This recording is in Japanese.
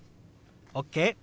ＯＫ！